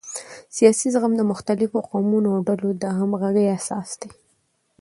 سیاسي زغم د مختلفو قومونو او ډلو د همغږۍ اساس دی